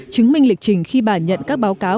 chứng minh lịch trình khi bà nhận các báo cáo